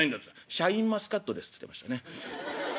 「シャインマスカットです」って言ってましたね。